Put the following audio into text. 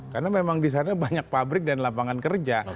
karena memang disana banyak pabrik dan lapangan kerja